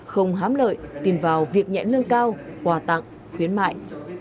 không hám lợi tìm vào việc nhẹn lương cao hòa tặng khuyến mại